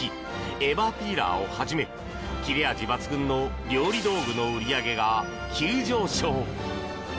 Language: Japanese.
エバーピーラーをはじめ切れ味抜群の料理道具の売り上げが急上昇。